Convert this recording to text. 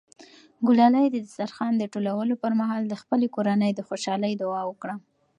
ګلالۍ د دسترخوان د ټولولو پر مهال د خپلې کورنۍ د خوشحالۍ دعا وکړه.